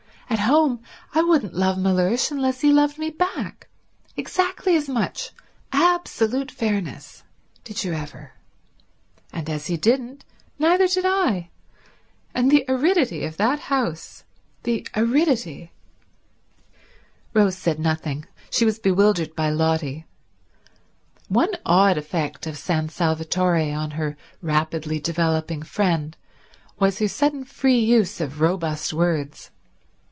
At home I wouldn't love Mellersh unless he loved me back, exactly as much, absolute fairness. Did you ever. And as he didn't, neither did I, and the aridity of that house! The aridity ..." Rose said nothing. She was bewildered by Lotty. One odd effect of San Salvatore on her rapidly developing friend was her sudden free use of robust words.